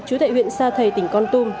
chú tệ huyện sa thầy tỉnh con tung